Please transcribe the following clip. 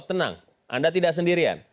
tenang anda tidak sendirian